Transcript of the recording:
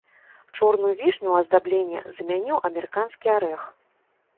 Чорную вішню ў аздабленні замяніў амерыканскі арэх.